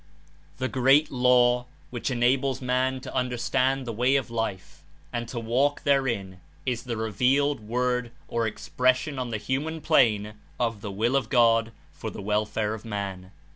The great Law, which enables man to understand the way of Life and to walk therein, Is the revealed Word or expression on the human plane of the Will of God for the welfare of man.